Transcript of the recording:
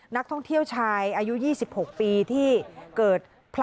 นักท่องเที่ยวชายอายุ๒๖ปี